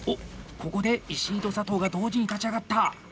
ここで石井と佐藤が同時に立ち上がった！